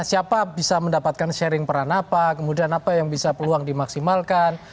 siapa bisa mendapatkan sharing peran apa kemudian apa yang bisa peluang dimaksimalkan